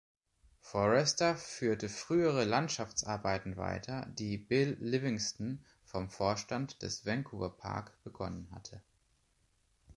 Forester führte frühere Landschaftsarbeiten weiter, die Bill Livingston vom Vorstand des Vancouver-Park begonnen hatte.